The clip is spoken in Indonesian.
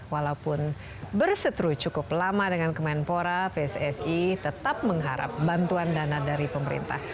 walaupun bersetru cukup lama dengan kemenpora pssi tetap mengharap bantuan dana dari pemerintah